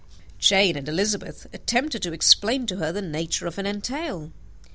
Jane and Elizabeth attempted to explain to her the nature of an entail.